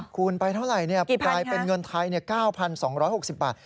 คูณไปเท่าไหร่กลายเป็นเงินไทย๙๒๖๐บาท